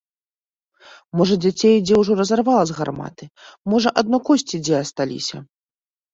Можа дзяцей дзе ўжо разарвала з гарматы, можа адно косці дзе асталіся!